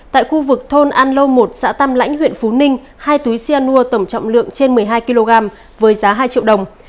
tại khu vực thôn an lâu một xã tâm lãnh huyện phú ninh hai túi xe nua tổng trọng lượng trên một mươi hai kg với giá hai triệu đồng